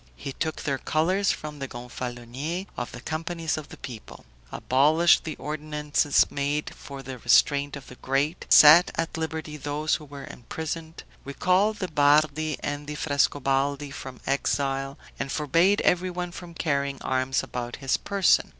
He took their colors from the Gonfaloniers of the companies of the people; abolished the ordinances made for the restraint of the great; set at liberty those who were imprisoned; recalled the Bardi and the Frescobaldi from exile, and forbade everyone from carrying arms about his person.